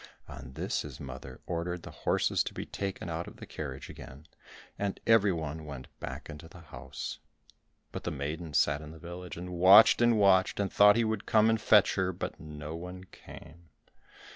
On this his mother ordered the horses to be taken out of the carriage again, and everyone went back into the house. But the maiden sat in the village and watched and watched, and thought he would come and fetch her, but no one came.